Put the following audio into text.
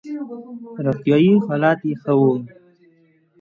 روغتیايي حالت یې ښه وو.